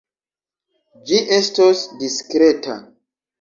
Ĝi estos diskreta.